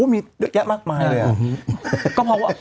มีเยอะแยะมากมายเลย